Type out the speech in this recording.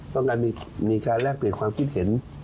ต้องการมีการแลกเปลี่ยนความคิดเห็น